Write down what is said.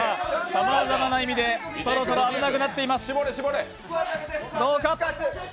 さまざまな意味でそろそろ危なくなっています。